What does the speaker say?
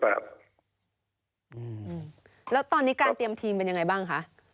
แล้วตอนนี้การเตรียมทีมเป็นยังไงบ้างคะ